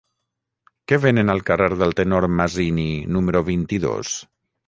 Què venen al carrer del Tenor Masini número vint-i-dos?